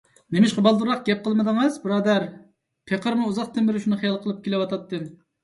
نېمىشقا بالدۇرراق گەپ قىلمىدىڭىز بۇرادەر؟ پېقىرمۇ ئۇزاقتىن بېرى شۇنى خىيال قىلىپ كېلىۋاتاتتىم.